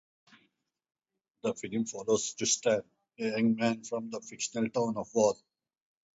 The film follows Tristan, a young man from the fictional town of Wall.